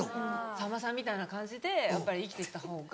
さんまさんみたいな感じでやっぱり生きてった方が。